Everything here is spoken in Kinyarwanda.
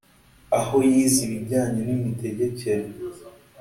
aho yize ibijyanye n’imitegekere